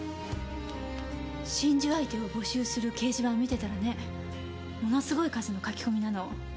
心中相手を募集する掲示板見てたらねものすごい数のカキコミなの。